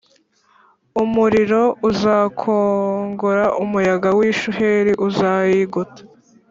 Umuriro uzakongora umuyaga w ishuheri uzayigota